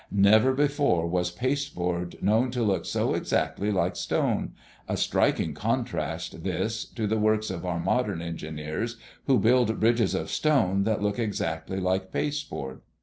Never before was pasteboard known to look so exactly like stone, a striking contrast this to the works of our modern engineers, who build bridges of stone, that look exactly like pasteboard.